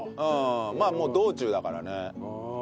まあもう道中だからね。